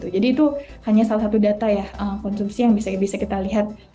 itu hanya salah satu data ya konsumsi yang bisa kita lihat